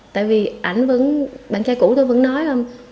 tại vì anh vẫn bạn trai cũ tôi vẫn nói